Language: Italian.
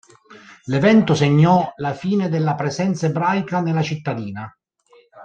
L'evento segnò la fine della presenza ebraica nella cittadina.